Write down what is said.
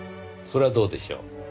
それはどうでしょう？